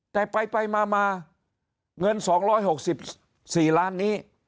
แต่ไปมาเงิน๒๖๔ล้านนี้